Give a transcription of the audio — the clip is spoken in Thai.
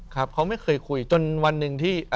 ครับเขาไม่เคยคุยจนวันหนึ่งที่